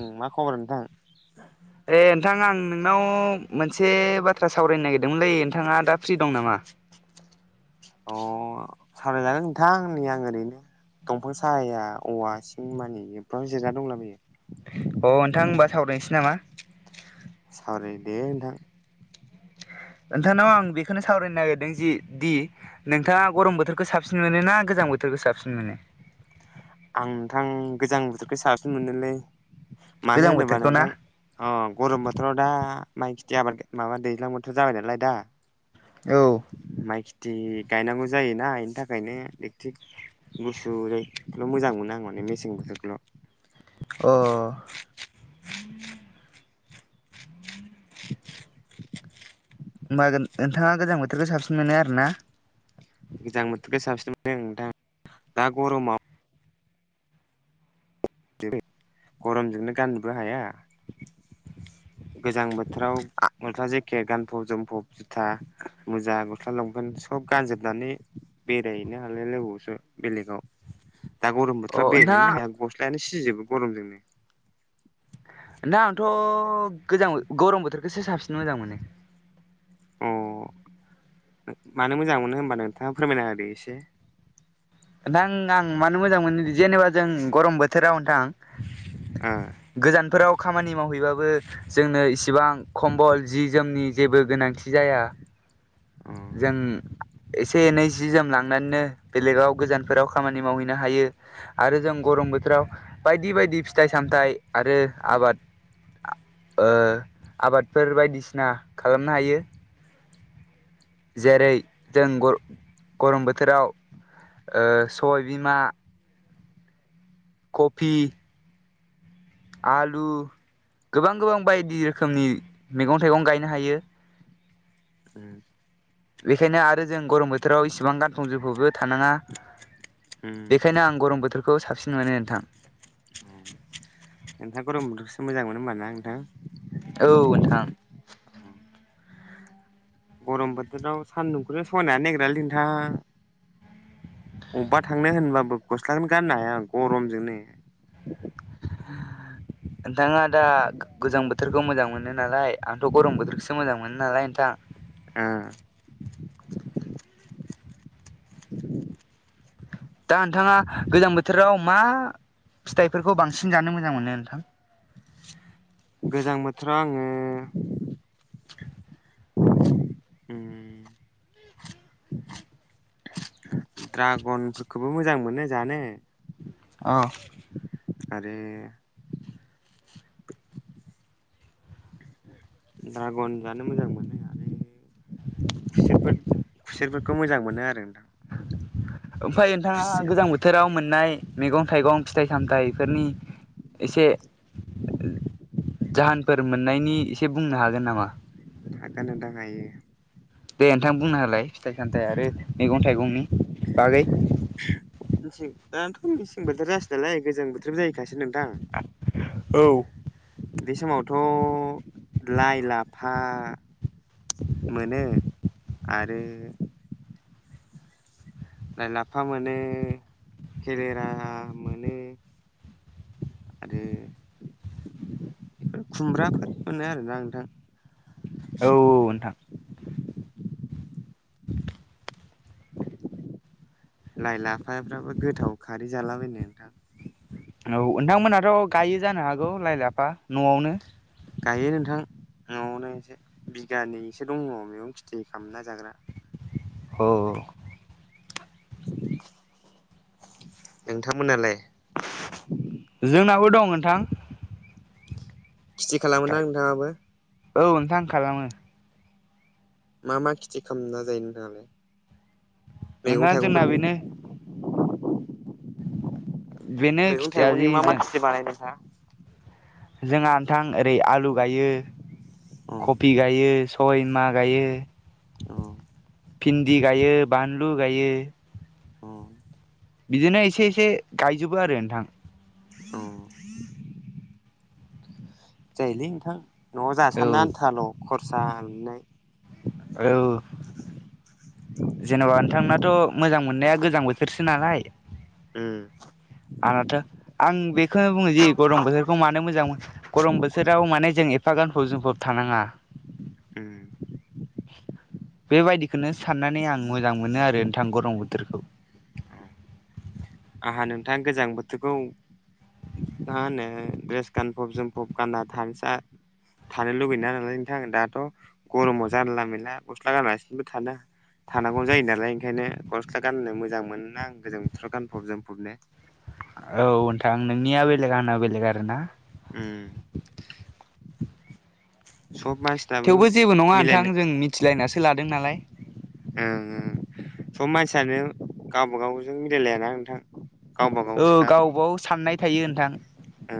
ओम मा खबर नोंथां? ए नोंथां आं नोंनाव मोनसे बाथ्रा सावरायनो नागिरदोंमोनलै नोंथाङा दा फ्रि दं नामा? अ सावरायजागोन नोंथां नै आं ओरैनो दंफां साया औवा सिं मानि बेफ्राव जिरायना दंलाबायो। अ नोंथां होमबा सावरायनोसै नामा? सावराय दे नोंथां। नोंथांनाव आं बेखौनो सावरायनो नागिरदों जि दि नोंथाङा गरम बोथोरखो साबसिन मोनो ना गोजां बोथोरखो साबसिन मोनो? आं नोंथां गोजां बोथोरखौ साबसिन मोनोलै मानो गोजां होनोबा बोथोरखौ ना नोंथां अ गरम बोथोराव दा माइ खेथि आबाद माबा दैज्लां बोथोर जाबाय नालाय दा। औ। माइ खेथि गायनांगौ जायोना इनि थाखायनो इकथिक गुसु जायो। बेखोल' मोजां मोनो आं माने मेसें बोथोरल'। अ। [inaudible] होमबा गोन नोंथाङा गोजां बोथोरखो साबसिन मोनो आरो ना। गोजां बोथोरखो साबसिन मोनो नोंथां दा गरमाव [unintelligible] गरमजोंनो गाननोबो हाया। गोजां बोथोराव जनता जेकेत गानफब जोमफब जुथा मुजा गस्ला लंफेन सब गानजोबनानै बेरायहैनो हालाय लायबावोसो बेलेगाव। [inaudible] दा गरम अ बोथोराव नोंथाङा बेरायनोनो हाया गस्लायानो सिजोबो गरमजोंनो। दा आंथ' गोजां गरम बोथोरखोसो साबसिन मोजां मोनो। अ मानो मोजां मोनो होमबा नोंथाङा फोरमायना होदो एसे। नोंथां आं मानो मोजां मोनो जेनेबा जों गरम बोथोराव नोंथां ओम। गोजानफोराव खामानि मावहैबाबो जोंनो इसिबां खमबल जि जोमनि जेबो गोनांथि जाया। अ जों एसे एनै सि जोम लांनानैनो बेलेगाव गोजानफोराव खामानि मावहैनो हायो। आरो जों गरम बोथोराव बायदि बायदि फिथाइ सामथाइ आरो आबाद आ ओ आबादफोर बायदिसिना खालामनो हायो। जेरै जों गर गरम बोथोराव ओ सबाय बिमा खफि आलु गोबां गोबां बायदि रोखोमनि मेगं थाइगं गायनो हायो। ओम। बेखायनो आरो जों गरम बो थोराव इसेबां गानफब जोमफबबो थानाङा बेखायनो आं गरम बोथोर खौ साबसिन मोनो नोंथां। अ नोंथाङा गरम बोथोरखौसो मोजां मोनो होमबा ना नोंथां? औ नोंथां। गरम बोथोराव सान्दुंखौनो सहायनो हानो नागिरालै नोंथां। अब्बा थांनो होनब्लाबो गस्लाखोनो गाननो हाया गरमजोंनो। नोंथाङा दा गोजां बोथोरखौ मोजां मोन नो नालाय आंथ' गरम बोथोरखौसो मोजां मोनो नालाय नोंथां। ओ। दा नोंथाङा गोजां बोथोराव मा फिथाइफोरखौ बांसिन जानो मोजां मोनो नोंथां? गोजां बोथोराव आङो [inaudible] ओम। ड्रागनफोरखौबो मोजां मोनो जानो। अ। आरो ड्रागन जानो मोजां मोनो आरो खुसेरफोर - खुसेरफोर खै मोजां मोनो आरो नोंथां। ओमफाय नोंथाङा खुसेर गोजां बोथोराव मोननाय मैगं थाइगं फिथाइ सामथाइफोरनि एसे जाहोनफोर मोननायनि एसे बुंनो हागोन नामा? हागोन नोंथां हायो। दे नोंथां बुंना होलाय फिथाइ सामथाइ आरो मैगं थाइगंनि बागै। [unintelligible] दाथ' मेसें बोथोर जासै नालाय गोजां बोथोर जाहैखासै नोंथां। औ। बे समावथ' लाइ, लाफा मोनो आरो लाइ, लाफा मोनो केेलेरा मोनो। आरो बेफोर खुमब्राफोर मोनो आरोना नोंथां। औ-औ नोंथां। [inaudible] लाइ, लाफाफ्राबो गोथाव खारै जालाबायनो नोंथां। औ नोंथांमोनहाथ' गायो जानो हागौ लाइ, लाफा न'आवनो। गायो नोंथां न'आवनो एसे। बिगानैसो दङ मैगं खिथि खामना जाग्रा। अ - अ। नोंथांमोनालाय? जोंनाबो दं नोंथां। खिथि खालामो ना नोंथाङाबो? औ नोंथां खालामो। मा मा खिथि खामना जायो नोंथाङालाय? मैगं ओंहा जोंना थाइगंफोरनि बेनो बेनो मैगं खिथिया थाइगंनि जि मा मा जों खिथि बानायो नोंथाङा? जोंहा नोंथां ओरै आलु गायो, अ कफि गायो सबाय बिमा गायो, अ भिन्दि गायो, बानलु गायो। अ। बिदिनो एसे - एसे गायजोबो आरो नोंथां। अ जायोलै नोंथां। न'आव औ जासाबनो आनथाल' खरसा मोननाय औ। जेनेबा नोंथांनाथ' मोजां मोननाया गोजां बोथोरसो नालाय। ओम। आङाथो आं बेखौनो बुङो जि गरम बोथोरखौ मानो मोजां मोन गरम बोथोराव माने जों एफ बा गानफबखौ जोंफब थानाङा। उम। बेबायदिखौनो साननानै आं मोजां मोनो आरो नोंथां गरम बोथोरखौ। आंहा नोंथा गोजां बोथोरखौ मा होनो द्रेस गानफब जोमफब गानना थानसा थानो लुबैयोना नालाय नोंथां दाथ' गरमाव जानला मेनला गस्ला गानालासिनोबो थानो थानांगौ जायो नालाय ओंखायनो गस्ला गाननो मोजां मोनोना आं गोजां बोथोराव गानफब जोमफबनो। औ नोंथां नोंनिया बेलेग आंना बेलेग आरो ना। उम सब। मानसिफ्राबो थेवबो जेबो नङा मिलायनो नोंथां जों मिथिलायनासो लादों नालाय ओं ओं सब मानसियानो गावबाागावजों मिलायलायाना नोंथां गावबा औ गावसोखा गावबाव साननाय थायो नोंथां ओ।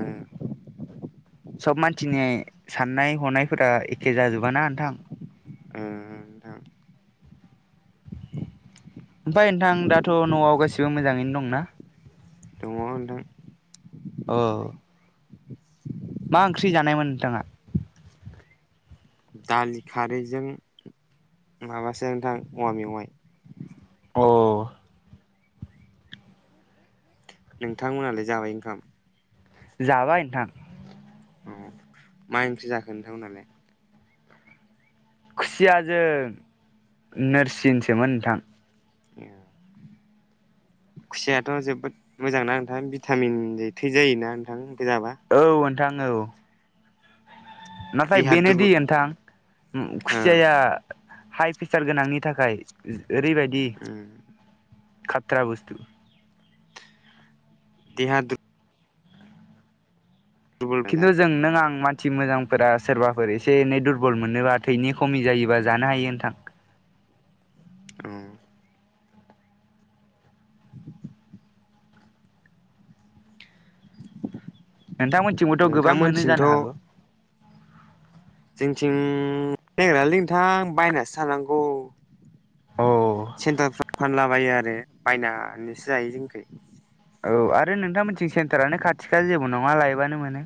सब मानसिनि साननाय हनायफोरा एखे जाजोबाना नोंथां। उम उम नोथां। ओमफ्राय नोंथां दाथ' न'आव गासिबो मोजाङैनो दंना? अ‌ नोंथां। औ। मा ओंख्रि जानायमोन नोंथाङा? दालि खारैजों माबासो नोंथां अवा मेवाइ। अ। नोंथांमोनालाय जाबाय ओंखाम? जाबाय नोंथां। औ मा ओंख्रि जाखो नोंथांमोननालाय? खुसिया जों नोरसिनसोमोन नोंथां। ए। खुसियाथ' जोबोद मोजांना नोंथां भिटामिन जायो थै जायोना नोंथां इखो जाबा? औ नोंथां औ। नाथाय देहा बेनोदि दुरबल नोंथां ओ खुसियाया। हाइ प्रेसार गोनांनि थाखाय ओरैबायदि। उम खात्रा बस्थु। देहा दुर दुरबल जा खिन्थु जों नों आं मा थि मोजांफोरा सोरबाफोर एसे एनै दुरबल मोनोबा थैनि खमि जायोबा जानो हायो नोंथां औ नोंथांमोनथिंबोथ' गोबां मोनो नोंथांमोनथिंथ' जानो हागौ जोंथिं सेंग्र लैनोथां बायनासो थानांगौ औ सेन्टारफ्राव फानलाबायो आरो बायनानैसो जायो जोंख औ आरो नोंथांमोनथिं सेन्टारानो खाथि खा जेबो नङा लायबानो मोनो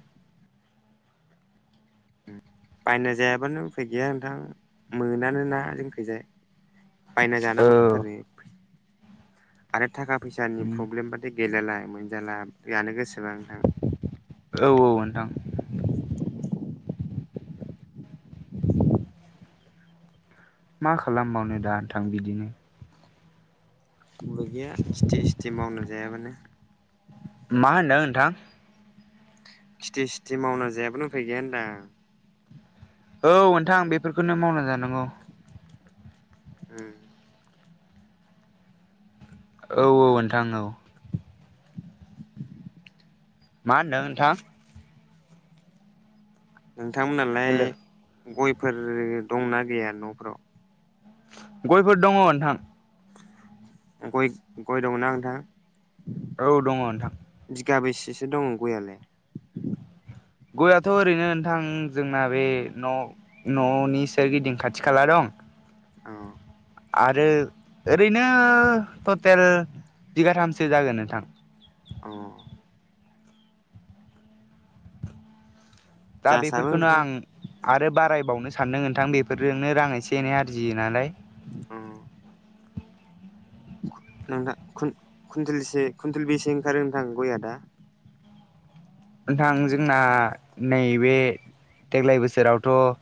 बायना जायाब्लानो उफाय गैया नोंथां मोनानो ना जों फैजाय बायना औ जानांगौार आरो थाखा फैसानि प्रब्लेमब गेलेेलाय मोनजाला जानो गोसोबां नोंथां। औ औ नोंथां। मा खालामबावनो दा नोंथां बिदिनो। मोनबो गैया खिथि सिथि मावनो जायाबानो। मा होनदों नोंथां? खेथि सिथि मावना जायाबो उफै गैया होनदां। औ नोंथां बेफोरखौनो मावना जानांगौ ओ औ औ नोंथां औ मा होनदों नोंथां नोंथांमोनालाय हेल' गयफोर दंनाा गैया न'फोराव गयफोर दङ नोंथां गय गय दंनाा नंथां औ दङ नोंथां बिगाबैसेसो दङ गयालाय गयाथ' ओरैनो नोंथां जोंना बे न' न'नि सोरगिदिं खाथि खाला दं औ आरो ओरैनो टटेल बिगाथामसो जागोन नोंथां अ दा जासाबो बेफोरखौनो नोंथां आं आरो बारायबावनो सानदों नोंथां बेफोरजोंनो रां एसे एनै आरजियो नालाय उम। नोंथां कुन्टेल कुइन्टेल बेसे ओंखारो नोंथां गया दा नोंथां जोंना नैबे देग्लाय बोसोरावथ'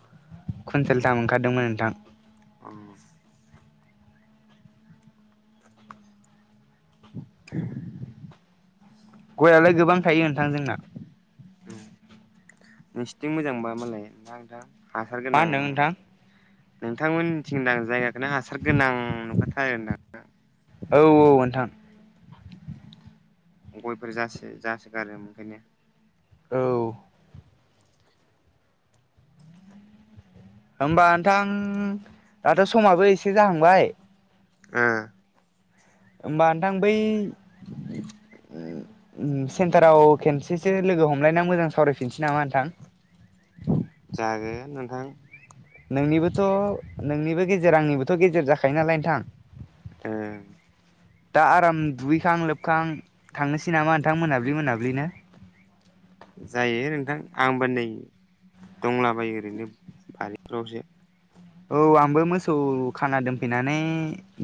कुइन्टेल दाम ओंखारदोंमोन नोंथां औ ए गयलाय गोबां थायो नोंथां जोंना नोंसिोरथिं मोजांबा मालाय दांथां हासार मा गोनां होनदों नोंथां नोंथांमोन मिथिंदां जायगाखौनो हासार गोनां नुखाथारो होनदां औ औ नोंथां गयफोर जासो जासोगारो ओंखायनो औ होमबा नोंथां दाथ' समाबो एसे जाहांबाय ओ होमबा नोंथां बै सेन्टाराव खनसेसो लोगो हमलायना मोजां सावरायफिनसै नामा नोंथां जागे नोंथां नोंनिबोथ' नोंनिबो गेजेर आंनिबोथ' गेजेर जाखायो नालाय नोंथां ओ दा आराम दुगैखां लोबखां थांनोसै नामा नोंथां मोनाब्लि मोनाब्लिनो जायो नोंथां आंबो नै दंलाबायो ओरैनो बारिफ्रावसो औ आंबो मोसौ खाना दोनफैनानै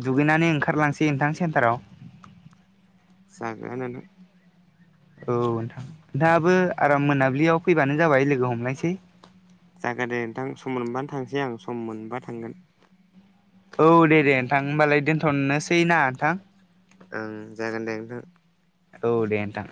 दुगैनानै ओंखारलांसै नोंथां सेन्टाराव जागोन औ नोंथां नोंथाङाबो आराम मोनाबिलियाव फैबानो जाबाय लोगो हमलायसै जागोन दे नोंथां सम मोनबानो थांसै आं सम मोनबा थांगोन औ दे दे नोंथां हबालाय दोनथ'नोसै ना नोंथां ओं जागोन दे नोंथां औ देथां